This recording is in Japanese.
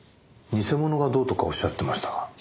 偽物がどうとかおっしゃってましたが。